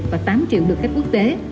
và tám triệu được khách quốc tế